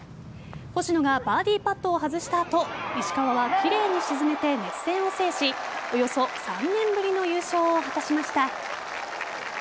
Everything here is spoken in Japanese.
星野がバーディーパットを外した後石川は奇麗に沈めて熱戦を制しおよそ３年ぶりの優勝を果たしました。